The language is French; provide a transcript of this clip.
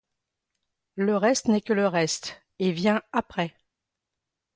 Le reste n'est que le reste, et vient après.